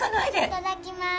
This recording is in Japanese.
いただきます。